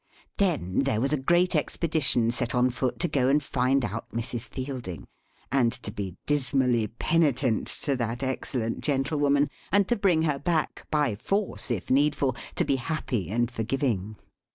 Then, there was a great Expedition set on foot to go and find out Mrs. Fielding; and to be dismally penitent to that excellent gentlewoman; and to bring her back, by force if needful, to be happy and forgiving.